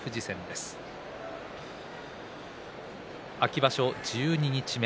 秋場所十二日目。